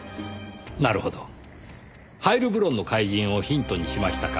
なるほど「ハイルブロンの怪人」をヒントにしましたか。